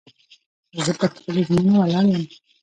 زه پر خپلو ژمنو ولاړ یم.